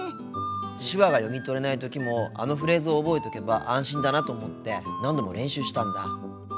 手話が読み取れない時もあのフレーズを覚えておけば安心だなと思って何度も練習してたんだ。